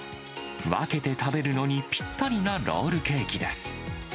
分けて食べるのにぴったりなロールケーキです。